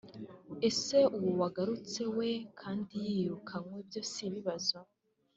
ese uwowagarutsewe kd yiriyirukanwe byosibibazo